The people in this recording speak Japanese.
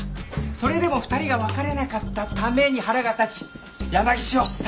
それでも２人が別れなかったために腹が立ち山岸を殺害した！